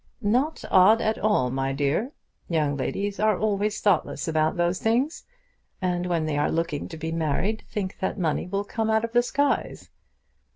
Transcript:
"Not odd at all, my dear. Young ladies are always thoughtless about those things, and when they are looking to be married think that money will come out of the skies."